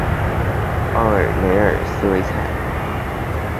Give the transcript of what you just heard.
奥尔梅尔斯维莱。